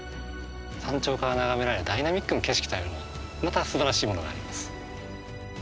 山頂から眺められるダイナミックな景色というのもまたすばらしいものがあります。